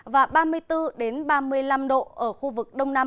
và ba mươi bốn ba mươi năm độ ở khu vực đông nam